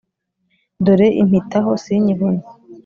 “dore impitaho, sinyibone